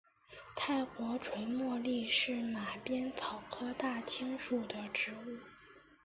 泰国垂茉莉是马鞭草科大青属的植物。